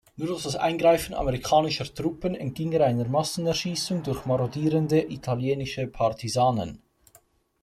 Nur durch das Eingreifen amerikanischer Truppen entging er einer Massenerschießung durch marodierende italienische Partisanen.